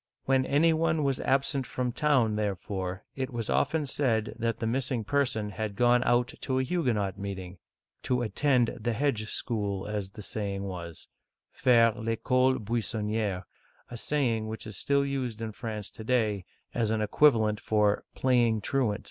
When any one was absent from town, therefore, it was often said that the missing person had gone out to a Huguenot meeting, — "to attend the hedge school,*' as the saying was {/aire F^cole buissonni^re)^ — a saying which is still used in France to day as an equivalent for " playing truant.